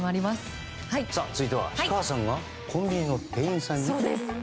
続いては氷川さんがコンビニの店員さんに？